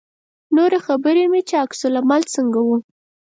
نورې خبرې مې چې عکس العمل څنګه و.